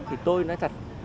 thì tôi nói thật